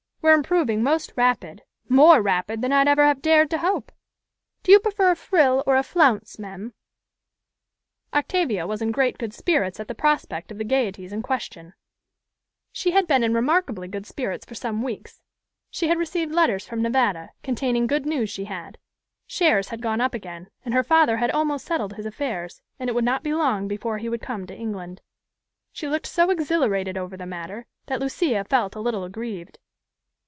We're improving most rapid more rapid than I'd ever have dared to hope. Do you prefer a frill, or a flounce, mem?" Octavia was in great good spirits at the prospect of the gayeties in question. She had been in remarkably good spirits for some weeks. She had received letters from Nevada, containing good news she said. Shares had gone up again; and her father had almost settled his affairs, and it would not be long before he would come to England. She looked so exhilarated over the matter, that Lucia felt a little aggrieved.